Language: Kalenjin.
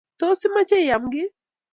Tos, imache iam giiy?